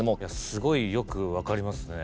すごい、よく分かりますね。